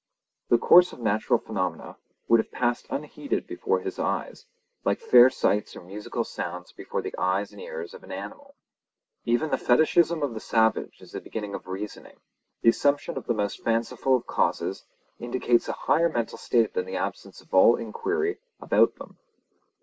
The course of natural phenomena would have passed unheeded before his eyes, like fair sights or musical sounds before the eyes and ears of an animal. Even the fetichism of the savage is the beginning of reasoning; the assumption of the most fanciful of causes indicates a higher mental state than the absence of all enquiry about them.